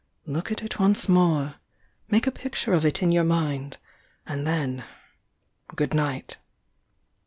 Look at it once more! — make a picture of it in your mind! — and then — good night!"